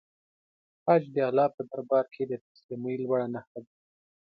حج د الله په دربار کې د تسلیمۍ لوړه نښه ده.